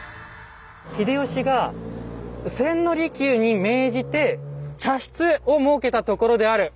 「秀吉が千利休に命じて茶室を設けたところである」！